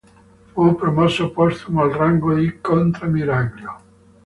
Fu promosso postumo al rango di contrammiraglio.